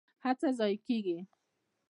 هڅه ضایع کیږي؟